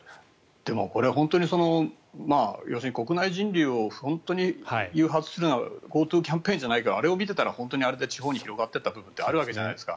でも本当にこれ国内人流を本当に誘発するのはＧｏＴｏキャンペーンであれを見ていたら本当にあれで地方に広がっていった部分があるわけじゃないですか。